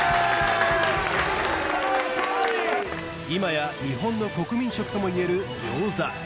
今や日本の国民食ともいえる餃子